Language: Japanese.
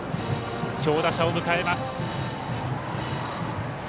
強打者を迎えます。